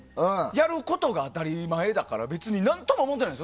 やることが当たり前だから別に何とも思ってない。